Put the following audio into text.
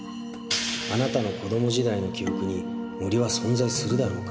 「あなたの子供時代の記憶に森は存在するだろうか」